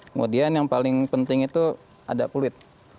kemudian yang paling penting itu ada kulit